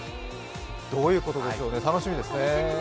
どういうことでしょうね、楽しみですね。